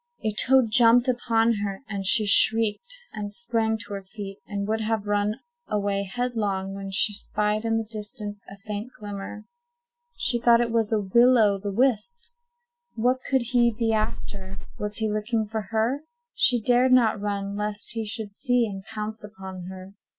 A toad jumped upon her, and she shrieked, and sprang to her feet, and would have run away headlong, when she spied in the distance a faint glimmer. She thought it was a Will o' the wisp. What could he be after? Was he looking for her? She dared not run, lest he should see and pounce upon her.